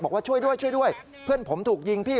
บอกว่าช่วยด้วยเพื่อนผมถูกยิงพี่